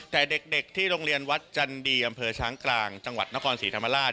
แต่เด็กที่โรงเรียนวัดจันดีอำเภอช้างกลางจังหวัดนครศรีธรรมราช